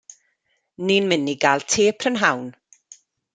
Ni'n mynd i ga'l te prynhawn.